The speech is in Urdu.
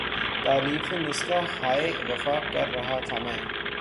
تالیف نسخہ ہائے وفا کر رہا تھا میں